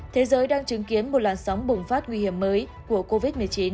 thế giới đang chứng kiến một làn sóng bùng phát nguy hiểm mới của covid một mươi chín